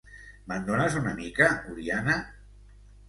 Me'n dones una mica, Oriana?